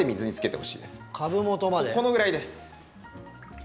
このぐらいです。